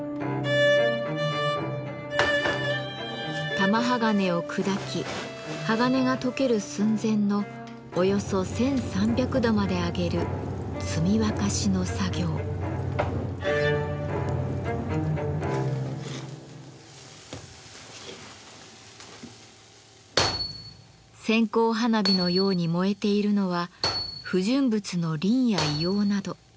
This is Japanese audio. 玉鋼を砕き鋼が溶ける寸前のおよそ１，３００度まで上げる線香花火のように燃えているのは不純物のリンや硫黄など。